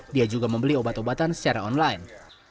dia juga membeli obat obatan secara online